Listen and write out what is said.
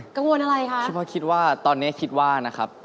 กังวลอะไรคะเฉพาะคิดว่าตอนนี้คิดว่านะครับ